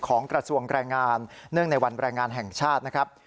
กระทรวงแรงงานเนื่องในวันแรงงานแห่งชาตินะครับ